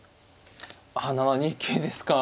あ７二桂ですか。